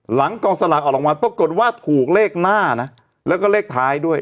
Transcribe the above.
หลังกองสลากออกรางวัลปรากฏว่าถูกเลขหน้านะแล้วก็เลขท้ายด้วย